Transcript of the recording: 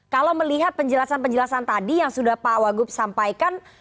kalau melihat penjelasan penjelasan tadi yang sudah pak wagub sampaikan